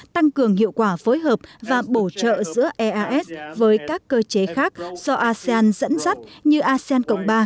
tăng cường hiệu quả phối hợp và bổ trợ giữa eas với các cơ chế khác do asean dẫn dắt như asean cộng ba